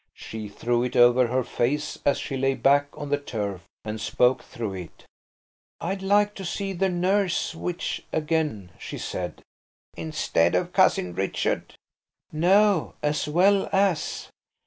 She threw it over her face as she lay back on the turf and spoke through it. "I'd like to see the nurse witch again," she said. "Instead of Cousin Richard?" "No: as well as."